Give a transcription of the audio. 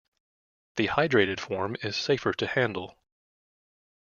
The hydrated form is safer to handle.